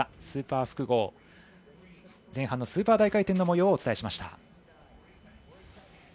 スーパー複合前半のスーパー大回転のもようをお伝えしました。